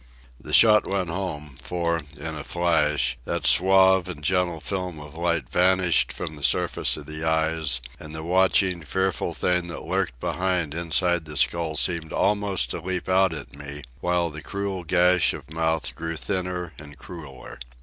The shot went home, for, in a flash, that suave and gentle film of light vanished from the surface of the eyes, and the watching, fearful thing that lurked behind inside the skull seemed almost to leap out at me, while the cruel gash of mouth drew thinner and crueller.